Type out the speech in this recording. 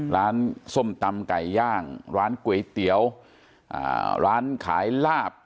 ร้านส้มตำไก่ย่างร้านก๋วยเตี๋ยวร้านขายลาบ